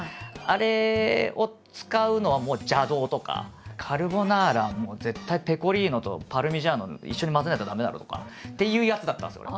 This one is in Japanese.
「あれを使うのはもう邪道」とか「カルボナーラはもう絶対ペコリーノとパルミジャーノ一緒に混ぜないと駄目だろう」とかって言うやつだったんですよ